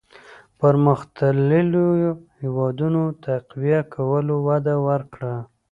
پرمختلليو هېوادونو تقويه کولو وده ورکړه.